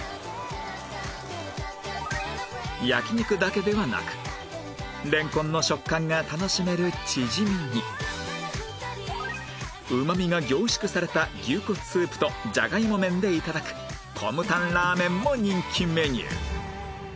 焼肉だけではなく蓮根の食感が楽しめるチヂミにうまみが凝縮された牛骨スープとジャガイモ麺で頂くコムタンラーメンも人気メニュー